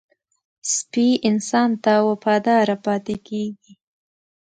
سپي انسان ته وفاداره پاتې کېږي.